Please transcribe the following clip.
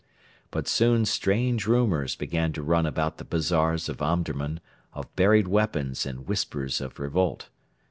But soon strange rumours began to run about the bazaars of Omdurman of buried weapons and whispers of revolt.